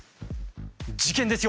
事件ですよ。